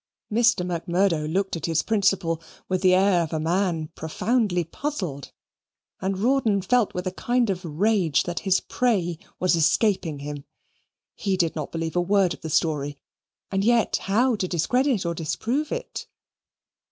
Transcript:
Mr. Macmurdo looked at his principal with the air of a man profoundly puzzled, and Rawdon felt with a kind of rage that his prey was escaping him. He did not believe a word of the story, and yet, how discredit or disprove it?